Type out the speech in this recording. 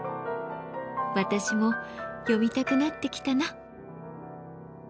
私も読みたくなってきたな！